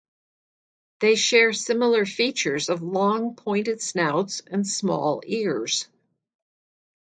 They share similar features of long pointed snouts, and small ears.